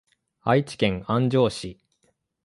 愛知県安城市